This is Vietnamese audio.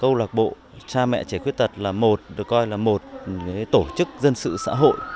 câu lạc bộ cha mẹ trẻ khuyết tật là một tổ chức dân sự xã hội